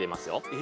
え？